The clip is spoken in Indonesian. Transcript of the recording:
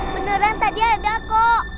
beneran tadi ada kok